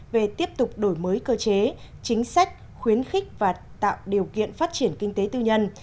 về tiếp tục đổi mới cơ chế chính sách khuyến khích và tạo điều kiện phát triển kinh tế tư nhân